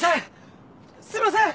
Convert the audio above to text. すいません！